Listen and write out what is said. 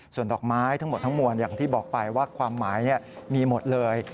ส่วนดอกไม้ทั้งหมดทั้งมวลอย่างที่บอกไปว่าความหมายมีหมดเลย